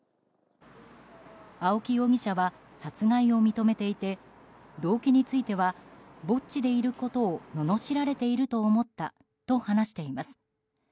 青木容疑者は殺害を認めていて動機についてはぼっちでいることをののしられていると思ったと話しています。